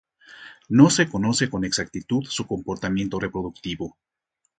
No se conoce con exactitud su comportamiento reproductivo.